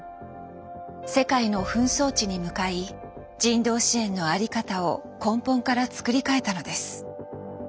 世界の紛争地に向かい人道支援の在り方を根本から作り替えたのです。